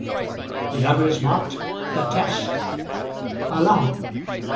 The other is marked 'The Test.' Allow me.